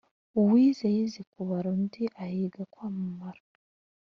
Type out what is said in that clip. uwize yize kubara undi ahiga kwamamara